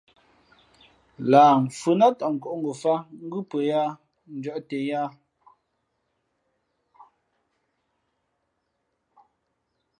Lah mfhʉ̄ nά tαʼ kǒʼ ngofāt ngʉ́ pʉᾱ yāā jαʼ tén yáá.